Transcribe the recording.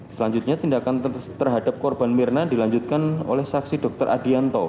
selanjutnya tindakan terhadap korban mirna dilanjutkan oleh saksi dr adianto